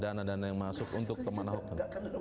dana dana yang masuk untuk sama sekali